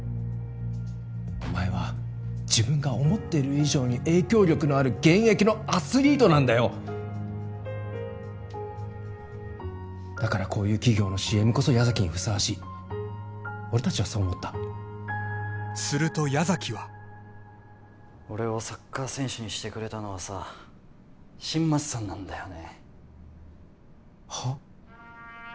お前は自分が思ってる以上に影響力のある現役のアスリートなんだよだからこういう企業のＣＭこそ矢崎にふさわしい俺達はそう思ったすると矢崎は俺をサッカー選手にしてくれたのはさ新町さんなんだよねはっ？